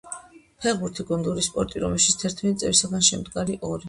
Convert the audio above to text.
ფეხბურთი — გუნდური სპორტი, რომელშიც თერთმეტი წევრისგან შემდგარი ორი